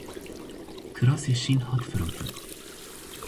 Kirasê şîn hat firotin.